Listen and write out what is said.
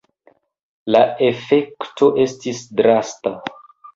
La efekto estis drasta.